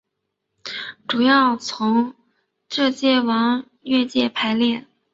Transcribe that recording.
主要从浙界往粤界排列。